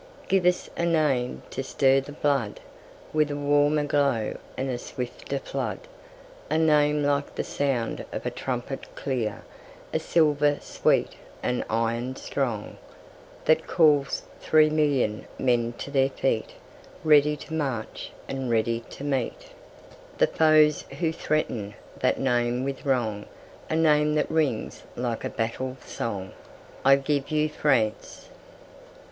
Give us a name to stir the bloodWith a warmer glow and a swifter flood,—A name like the sound of a trumpet, clear, And silver sweet, and iron strong, That calls three million men to their feet, Ready to march, and steady to meetThe foes who threaten that name with wrong,—A name that rings like a battle song.I give you France!